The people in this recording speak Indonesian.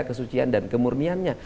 kesucian dan kemurniannya